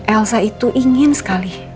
elsa itu ingin sekali